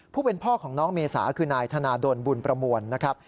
เป็นพ่อของน้องเมษาคือนายธนาดลบุญประมวลนะครับ